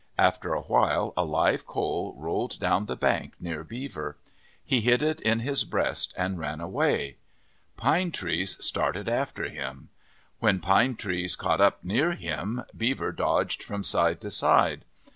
After a while a live coal rolled down the bank near Beaver. He hid it in his breast and ran away. Pine Trees started after him. When Pine Trees caught up near him, Beaver dodged from side to side.